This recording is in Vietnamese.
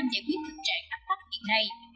với tình trạng áp tác hiện nay